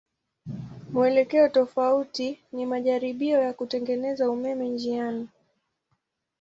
Mwelekeo tofauti ni majaribio ya kutengeneza umeme njiani.